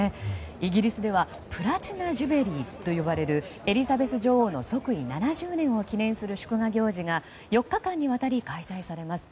イギリスではプラチナ・ジュビリーと呼ばれるエリザベス女王の即位７０年を記念する祝賀行事が４日間にわたり開催されます。